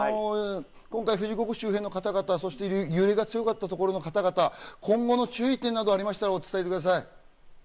富士五湖周辺の方々、揺れが強かったところの方々、今後の注意点などがありましたら、お伝えください。